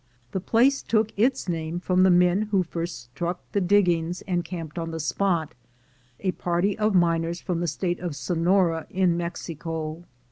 The place took its name from the men who first struck the diggings and camped on the spot — a party of miners from the state of Sonora in Mexico.